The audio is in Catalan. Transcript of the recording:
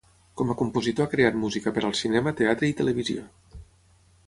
Com a compositor ha creat música per al cinema, teatre i televisió.